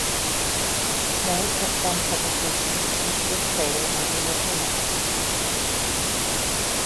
Note that some publications list this crater as "Liapunov".